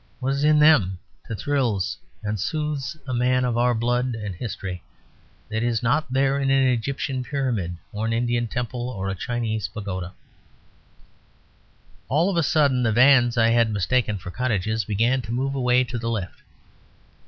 What is it in them that thrills and soothes a man of our blood and history, that is not there in an Egyptian pyramid or an Indian temple or a Chinese pagoda? All of a sudden the vans I had mistaken for cottages began to move away to the left.